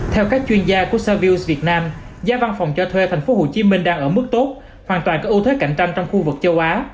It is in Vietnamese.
theo các chuyên gia của servius việt nam giá văn phòng cho thuê thành phố hồ chí minh đang ở mức tốt hoàn toàn có ưu thuế cạnh tranh trong khu vực châu á